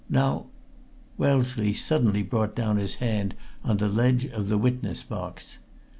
Now " Wellesley suddenly brought down his hand on the ledge of the witness box.